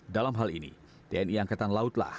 dalam hal ini tni angkatan lautlah